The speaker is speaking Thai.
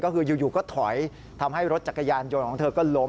ก็คืออยู่ก็ถอยทำให้รถจักรยานยนต์ของเธอก็ล้ม